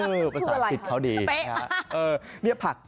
อื้อภาษาอังกฤษเขาดี